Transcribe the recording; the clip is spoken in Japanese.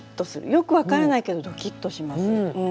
よく分からないけどドキッとします。